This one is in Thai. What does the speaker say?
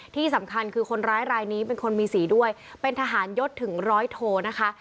ที่สำคัญคือคนร้ายรายนี้เป็นคนมีสีด้วยเป็นทหารยศถึงร้อยโทนะคะ